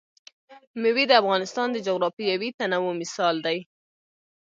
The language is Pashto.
مېوې د افغانستان د جغرافیوي تنوع مثال دی.